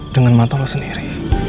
dengan mata lo sendiri